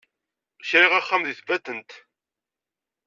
Kriɣ axxam deg Tbatent.